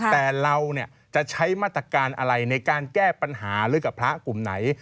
แต่เราจะใช้มาตรการอะไรในการแก้ปัญหาหรือกับพระกลุ่มไหน